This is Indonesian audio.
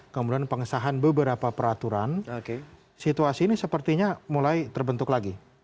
kemudian pengesahan beberapa peraturan situasi ini sepertinya mulai terbentuk lagi